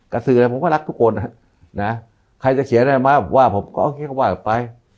สื่ออะไรผมก็รักทุกคนนะใครจะเขียนอะไรมาว่าผมก็โอเคก็ว่าไป